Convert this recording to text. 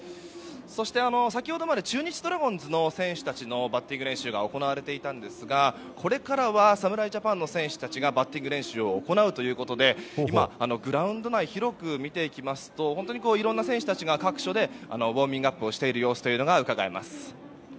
そして、先ほどまで中日ドラゴンズの選手たちのバッティング練習が行われていたんですがこれからは侍ジャパンの選手たちがバッティング練習を行うということで今、グラウンド内広く見ていきますといろんな選手たちが各所でウォーミングアップをしている様子がうかがえます。